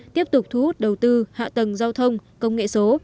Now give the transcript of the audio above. tiếp tục thu hút đầu tư hạ tầng giao thông công nghệ số